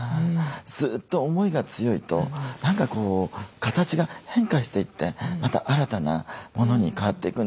ずっと思いが強いと何かこう形が変化していってまた新たなものに変わっていくんだな。